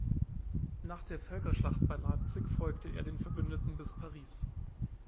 Nach der Völkerschlacht bei Leipzig folgte er den Verbündeten bis Paris.